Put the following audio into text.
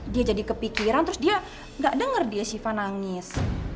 dia jadi kepikiran terus dia nggak dengar dia siva nangis